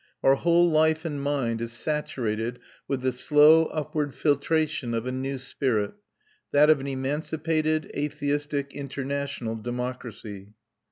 Our whole life and mind is saturated with the slow upward filtration of a new spirit that of an emancipated, atheistic, international democracy.